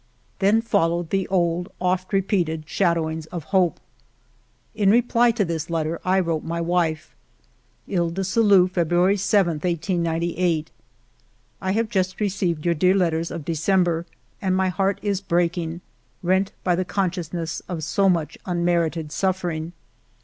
... Then followed the old, oft repeated shadow ings of hope. In reply to this letter I wrote my wife :—»*' Iles du Salut, February 7, 1898. " I have just received your dear letters of December, and my heart is breaking, rent by the consciousness of so much unmerited suffering.